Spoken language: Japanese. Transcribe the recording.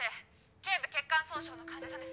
頸部血管損傷の患者さんです